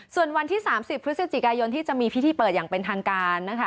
ส่วนวันที่๓๐พฤศจิกายนที่จะมีพิธีเปิดอย่างเป็นทางการนะคะ